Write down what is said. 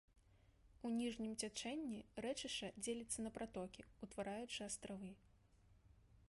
У ніжнім цячэнні рэчышча дзеліцца на пратокі, утвараючы астравы.